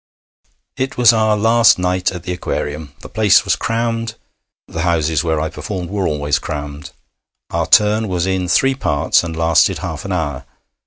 It was our last night at the Aquarium. The place was crammed. The houses where I performed were always crammed. Our turn was in three parts, and lasted half an hour.